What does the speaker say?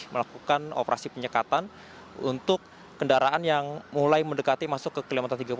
melakukan operasi penyekatan untuk kendaraan yang mulai mendekati masuk ke kilometer tiga puluh